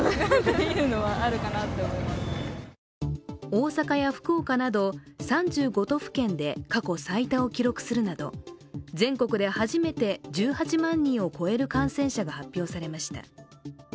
大阪や福岡など３５都府県で過去最多を記録するなど全国で初めて１８万人を超える感染者が発表されました。